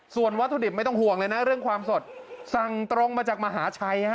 ส่วนวัตถุดิบไม่ต้องห่วงเลยนะเรื่องความสดสั่งตรงมาจากมหาชัยฮะ